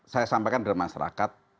saya sampaikan kepada masyarakat